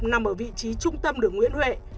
nằm ở vị trí trung tâm đường nguyễn huệ